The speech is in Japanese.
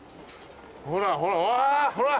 ほらわほら！